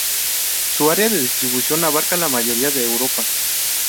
Su área de distribución abarca la mayoría de Europa.